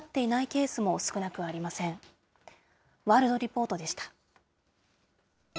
ワールドリポートでした。